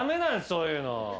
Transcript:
そういうの。